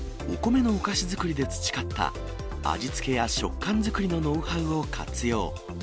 お米のお菓子作りで培った、味付けや食感作りのノウハウを活用。